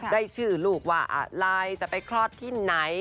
ได้ชื่อลูกว่าอะไรจะไปคลอดที่ไหน